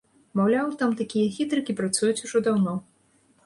Маўляў, там такія хітрыкі працуюць ужо даўно.